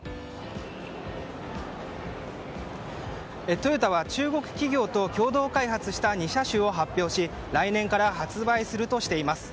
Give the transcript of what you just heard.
トヨタは中国企業と共同開発した２車種を発表し来年から発売するとしています。